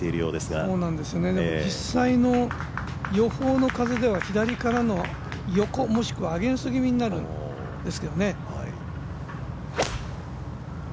でも実際の予報の風では、左からの横、もしくはアゲンスト気味になるんですよね。